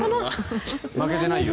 負けてないよ。